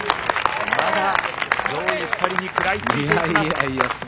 まだ上位２人に食らいついていきます。